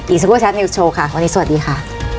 อีกสักครู่แท็ตนิวส์โชว์ค่ะวันนี้สวัสดีค่ะ